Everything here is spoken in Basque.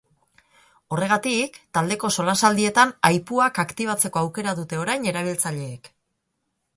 Horregatik, taldeko solasaldietan aipuak aktibatzeko aukera dute orain erabiltzaileek.